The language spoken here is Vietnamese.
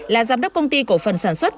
là giám đốc công ty cổ phần sản xuất